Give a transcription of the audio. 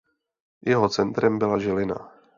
Jeho centrem byla Žilina.